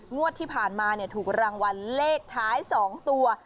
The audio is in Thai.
งวดที่ผ่านมาถูกรางวัลเลขท้าย๒ตัว